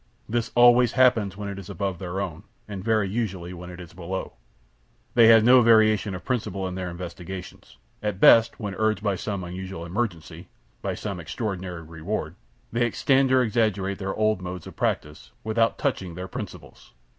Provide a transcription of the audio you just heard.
This always happens when it is above their own, and very usually when it is below. They have no variation of principle in their investigations; at best, when urged by some unusual emergency by some extraordinary reward they extend or exaggerate their old modes of practice, without touching their principles.